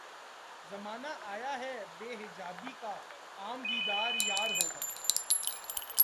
زمانہ آیا ہے بے حجابی کا عام دیدار یار ہوگا